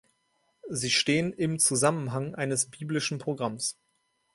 Sie stehen im Zusammenhang eines biblischen Programms.